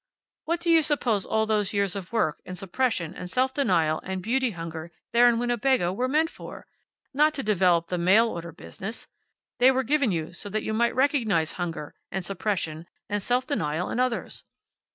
What do you suppose all those years of work, and suppression, and self denial, and beauty hunger there in Winnebago were meant for! Not to develop the mail order business. They were given you so that you might recognize hunger, and suppression, and self denial in others.